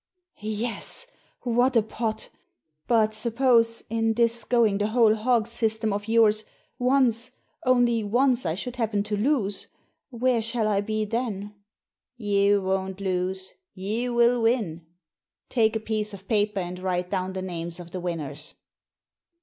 " Yes, what a pot ! But suppose, in this going the whole hog system of yours, once, only once, I should happen to lose ? Where shall I be then ?"" You won't lose ; you will win. Take a piece of paper and write down the names of the winners."